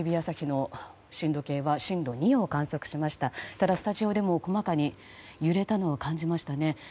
ただスタジオでも細かに揺れたのを感じましたね。